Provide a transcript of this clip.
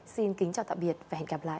xin kính chào tạm biệt và hẹn gặp lại